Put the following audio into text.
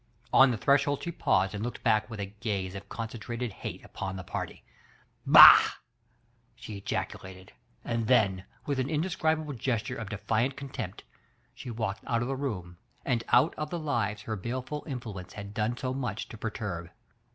On the threshold she paused and looked back with a gaze of concen trated hate upon the party. "Bah !" she ejacu lated, and then, with an indescribable gesture of defiant contempt, she walked out of the room, and out of the lives her baleful influence had done so much to perturb.